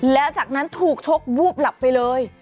แล้วจากนั้นถูกชกวูบหลับไปเลย